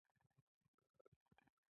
ګلاب د وختونو شاهد دی.